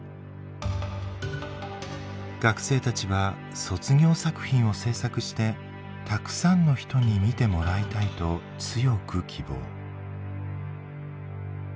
学生たちは卒業作品を制作してたくさんの人に見てもらいたいと強く希望。